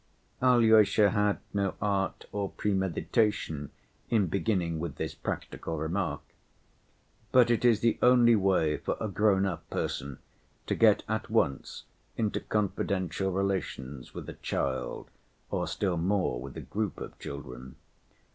Alyosha had no art or premeditation in beginning with this practical remark. But it is the only way for a grown‐up person to get at once into confidential relations with a child, or still more with a group of children.